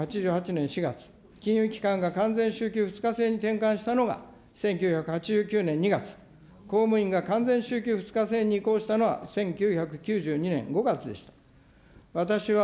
公務員に４しゅう６きゅう制を導入したのが１９８８年４月、金融機関が完全週休２日制に転換したのが１９８９年２月、公務員が完全週休２日制に移行したのは１９９２年５月でした。